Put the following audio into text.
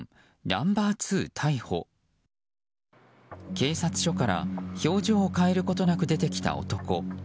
警察署から表情を変えることなく出てきた男。